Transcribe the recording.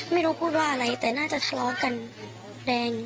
ไม่รู้พูดว่าอะไรแต่น่าจะทะเลาะกันแรง